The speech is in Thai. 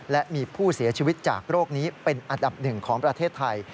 และมีผู้เสียชีวิตจากโรคนี้เป็นอันดับหนึ่งของประเทศไทย